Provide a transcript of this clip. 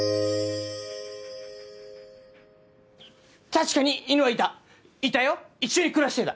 確かに犬はいたいたよ一緒に暮らしてた。